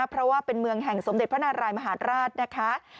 เพราะว่าเป็นเมืองแห่งสมเด็จพระนารายมหาราชนะคะ